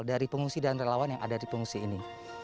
dari pengungsi dan relawan yang ada di pengungsi ini